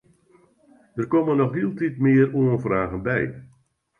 Der komme noch hieltyd mear oanfragen by.